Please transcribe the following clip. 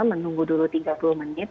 menunggu dulu tiga puluh menit